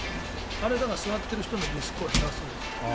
あれだから、座っている人のリスクを減らすんですよ。